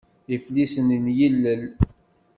Iflisen n yilel